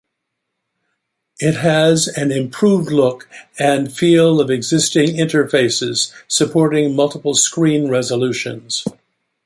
It has an improved look and feel of existing interfaces, supporting multiple screen resolutions.